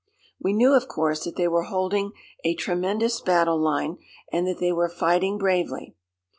We knew, of course, that they were holding a tremendous battle line and that they were fighting bravely.